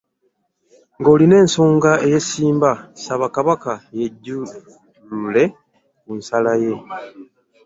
Ng'olina ensoga ey'essimba, saba Kabaka yejjulule ku nsala ye